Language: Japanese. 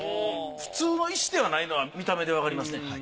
普通の石ではないのは見た目でわかりますね。